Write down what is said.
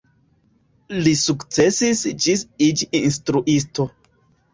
Li sukcesis ĝis iĝi instruisto.